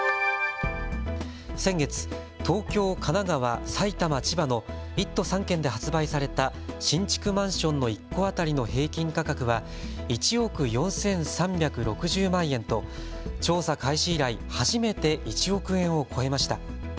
先月、東京、神奈川、埼玉、千葉の１都３県で発売された新築マンションの１戸当たりの平均価格は１億４３６０万円と調査開始以来、初めて１億円を超えました。